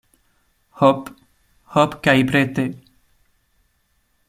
Hop, hop kaj prete!